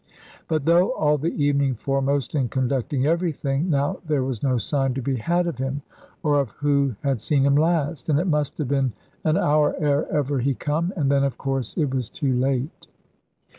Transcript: But, though all the evening foremost in conducting everything, now there was no sign to be had of him, or of who had seen him last. And it must have been an hour ere ever he come, and then of course it was too late.